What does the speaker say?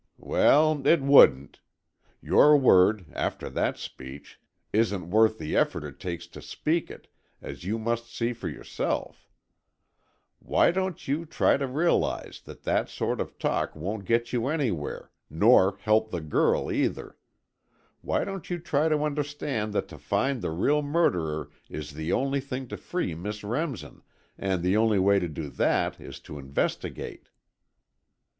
"Well, it wouldn't. Your word, after that speech, isn't worth the effort it takes to speak it, as you must see for yourself. Why don't you try to realize that that sort of talk won't get you anywhere, nor help the girl either. Why don't you try to understand that to find the real murderer is the only thing to free Miss Remsen, and the only way to do that is to investigate."